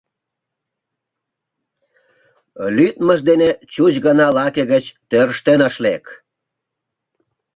Лӱдмыж дене чуч гына лаке гыч тӧрштен ыш лек.